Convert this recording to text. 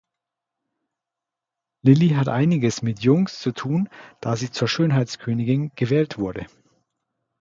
Lilly hat einiges mit Jungs zu tun, da sie zur Schönheitskönigin gewählt wurde.